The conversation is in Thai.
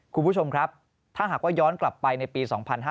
คุณผู้ชมครับถ้าหากว่าย้อนกลับไปในปี๒๕๕๙